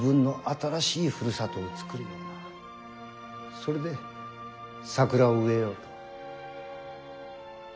それで桜を植えようと。